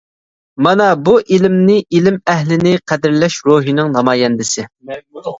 مانا بۇ ئىلىمنى، ئىلىم ئەھلىنى قەدىرلەش روھىنىڭ نامايەندىسى!